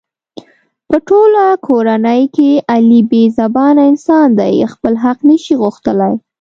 په ټوله کورنۍ کې علي بې زبانه انسان دی. خپل حق نشي غوښتلی.